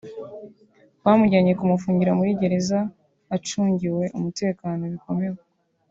bamujyanye kumufungira muri Gereza acungiwe umutekano bikomeye